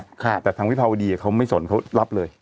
แต่ทางวิภาวดีเขาไม่สนเขารับเลย